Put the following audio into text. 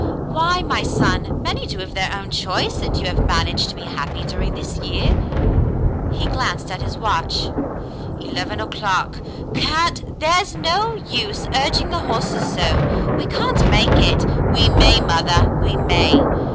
"Why, my son, many do, of their own choice, and you have man aged to be happy during this year." He glanced at his watch. "Eleven o'clock, — can't —" "There's no use urging the horses so; we can't make it." "We may, mother, we may."